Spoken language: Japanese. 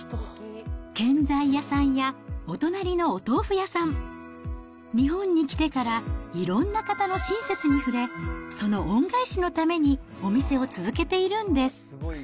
建材屋さんやお隣のお豆腐屋さん、日本に来てからいろんな方の親切に触れ、その恩返しのためにお店を続けているんです。